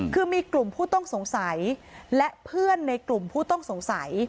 คือมีกลุ่มผู้ต้องสงสัยและเพื่อนในกลุ่มผู้ต้องสงสัย